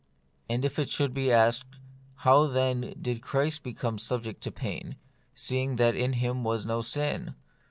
And if it should be asked, How, then, did Christ become subject to pain, seeing that in Him was no sin